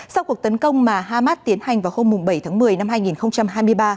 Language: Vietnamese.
sau cuộc tấn công mà hamas tiến hành vào hôm bảy tháng một mươi năm hai nghìn hai mươi ba